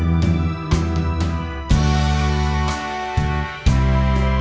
ถามอะไรเธอก็ไม่อยากไป